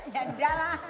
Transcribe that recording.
ya enggak lah